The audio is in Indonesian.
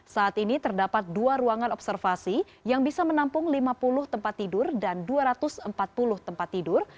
saat ini terdapat dua ruangan observasi yang bisa menampung lima puluh tempat tidur dan dua ratus empat puluh tempat tidur